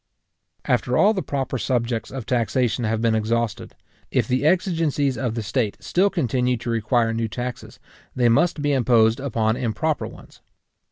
After all the proper subjects of taxation have been exhausted, if the exigencies of the state still continue to require new taxes, they must be imposed upon improper ones.